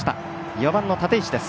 ４番の立石です。